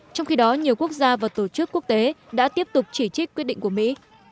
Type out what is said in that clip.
trong khi đó nhiều quốc gia và tổ chức quốc tế đã tiếp tục chỉ trích quyết định của mỹ